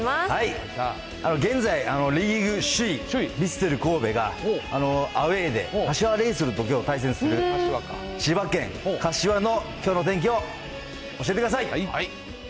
現在、リーグ首位、ヴィッセル神戸がアウエーで柏レイソルときょう対戦する、千葉県柏のきょうの天気を教えてください。